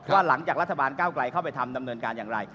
ว่าหลังจากรัฐบาลก้าวไกลเข้าไปทำดำเนินการอย่างไร